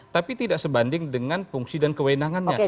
tapi tidak sebanding dengan fungsi dan kewenangannya